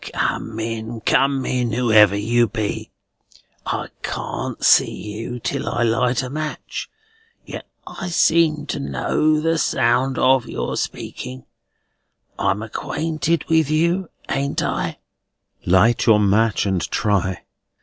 "Come in, come in, whoever you be: I can't see you till I light a match, yet I seem to know the sound of your speaking. I'm acquainted with you, ain't I?" "Light your match, and try."